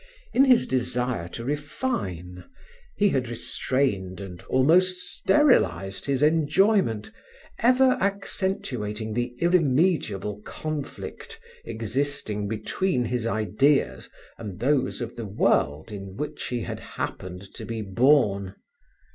In his desire to refine, he had restrained and almost sterilized his enjoyment, ever accentuating the irremediable conflict existing between his ideas and those of the world in which he had happened to be born.